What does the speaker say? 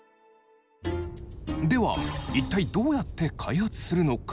では一体どうやって開発するのか？